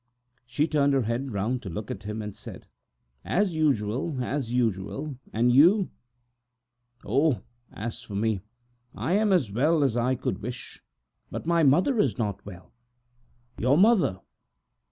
She turned her head round to look at him and said: "Fairly well, fairly well, and you?" "Oh I as for me, I am as well as I could wish, but my mother is very sick." "Your mother?"